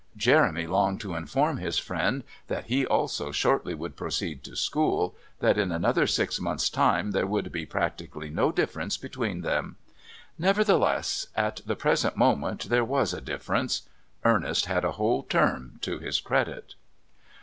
Jeremy longed to inform his friend that he also shortly would proceed to school, that in another six months' time there would be practically no difference between them. Nevertheless, at the present moment there was a difference... Ernest had a whole term to his credit.